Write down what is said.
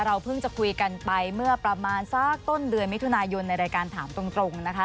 เพิ่งจะคุยกันไปเมื่อประมาณสักต้นเดือนมิถุนายนในรายการถามตรงนะคะ